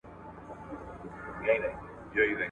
لکه لمونځ، روژه او داسي نور.